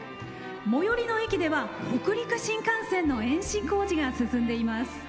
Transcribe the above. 最寄りの駅では北陸新幹線の延伸工事が進んでいます。